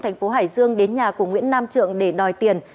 thành phố hải dương đến nhà của nguyễn nam trượng để đòi tiền